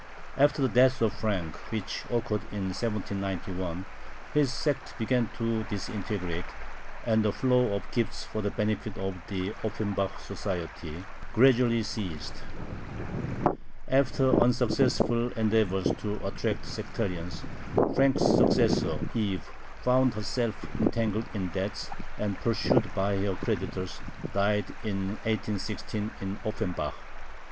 After the death of Frank, which occurred in 1791, his sect began to disintegrate, and the flow of gifts for the benefit of the Offenbach Society gradually ceased. After unsuccessful endeavors to attract sectarians, Frank's successor, Eve, found herself entangled in debts, and, pursued by her creditors, died in 1816 in Offenbach.